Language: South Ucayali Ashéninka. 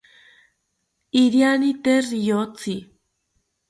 Iriani tee riyotzi